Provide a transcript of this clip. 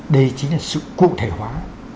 đây chính là sự cụ thể hóa